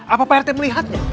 apa pak rt melihatnya